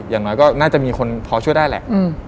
อย่างน้อยก็น่าจะมีคนพอช่วยได้แหละ